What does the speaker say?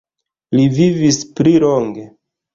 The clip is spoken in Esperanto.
Li vivis pli longe.